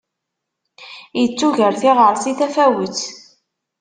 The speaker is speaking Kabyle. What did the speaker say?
Ittuger tiɣersi tafawet.